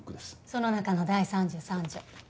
その中の第３３条。